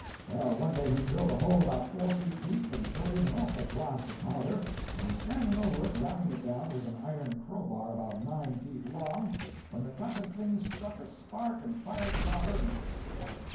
"Well, one day he drilled a hole about four feet deep and put in an awful blast of powder, and was standing over it ramming it down with an iron crowbar about nine foot long, when the cussed thing struck a spark and fired the powder, and scat!